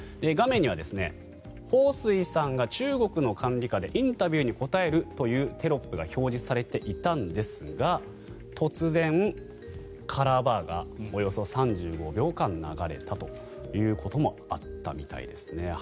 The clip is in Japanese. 画面にはホウ・スイさんが中国の管理下でインタビューに答えるというテロップが表示されていたんですが突然、カラーバーがおよそ３５秒間流れたということもあったみたいですね。